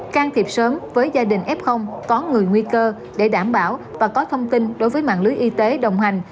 can thiệp sớm với gia đình f có người nguy cơ để đảm bảo và có thông tin đối với mạng lưới y tế đồng hành